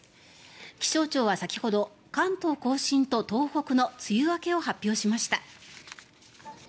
気象庁は先ほど関東・甲信と東北の梅雨明けを発表しました。